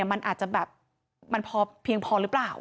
มันอาจจะแบบมันพอเพียงพอหรือเปล่า